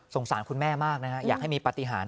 สารคุณแม่มากนะฮะอยากให้มีปฏิหาร